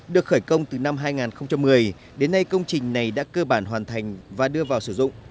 được khởi công từ năm hai nghìn một mươi đến nay công trình này đã cơ bản hoàn thành và đưa vào sử dụng